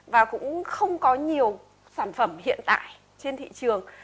và cũng không có nhiều sản phẩm hiện tại trên thị trường